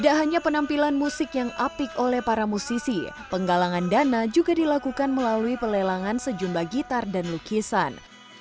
tidak hanya penampilan musik yang apik oleh para musisi penggalangan dana juga dilakukan melalui pelelangan sejumlah gitar dan lukisan